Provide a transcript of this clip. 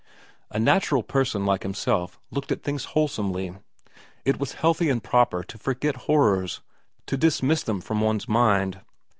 A natural person like himself looked at things wholesomely. It was healthy and proper to forget horrors, to dismiss them from one's mind.